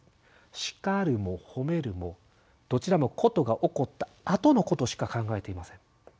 叱るも褒めるもどちらも事が起こったあとのことしか考えていません。